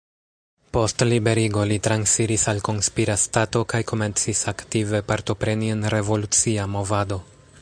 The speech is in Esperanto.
Post liberigo li transiris al konspira stato kaj komencis aktive partopreni en revolucia movado.